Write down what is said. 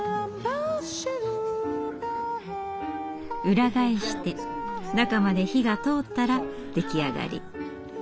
裏返して中まで火が通ったら出来上がり。